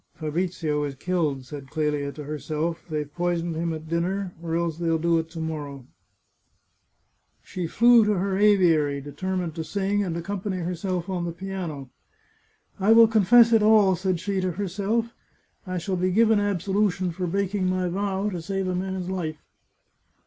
" Fabrizio is killed !" said Clelia to herself. " They've poisoned him at his dinner, or else they'll do it to morrow." She flew to her aviary, determined to sing and accompany herself on the piano. " I will confess it all," said she to herself. " I shall be given absolution for breaking my vow to save a man's life."